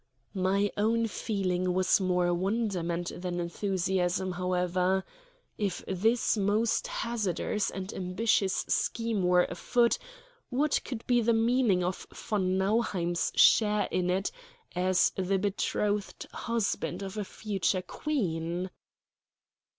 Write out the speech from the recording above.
My own feeling was more wonderment than enthusiasm, however. If this most hazardous and ambitious scheme were afoot, what could be the meaning of von Nauheim's share in it as the betrothed husband of a future queen?